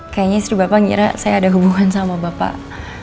kayaknya istri bapak ngira saya ada hubungan sama bapak